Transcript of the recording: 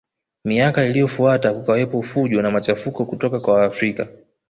Miaka iliyofuata kukawepo fujo na machafuko kutoka kwa Waafrika